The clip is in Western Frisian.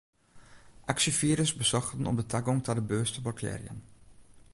Aksjefierders besochten om de tagong ta de beurs te blokkearjen.